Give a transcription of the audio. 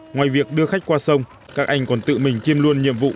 ngoài việc đưa khách qua sông các anh còn tự mình kiêm luôn nhiệm vụ